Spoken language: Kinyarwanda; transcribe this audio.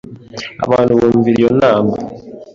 Abantu bumvira iyo nama